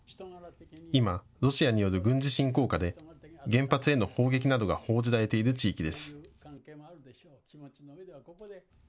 今、ロシアによる軍事侵攻下で原発への砲撃などが報じられている地域です。